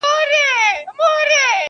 د حیا په حجاب پټي چا دي مخ لیدلی نه دی,